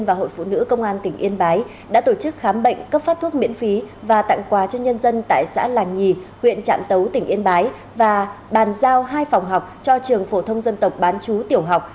và trao hai cuốn vở viết cho trường phổ thông dân tộc bán chú tiểu học